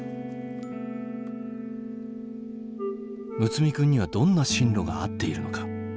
睦弥君にはどんな進路が合っているのか。